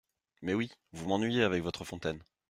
Mais oui… vous m’ennuyez avec votre fontaine !…